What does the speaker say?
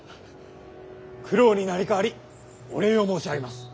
九郎に成り代わりお礼を申し上げます。